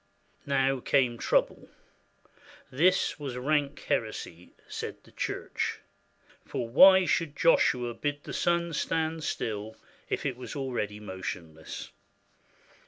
Now came trouble. This was rank heresy, said the Church; for why should Joshua bid the sun stand still if it was already motionless?